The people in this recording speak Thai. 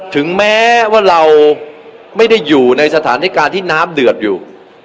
ถึงแม้ว่าเราไม่ได้อยู่ในสถานการณ์ที่น้ำเดือดอยู่